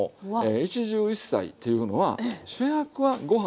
一汁一菜っていうのは主役はご飯です。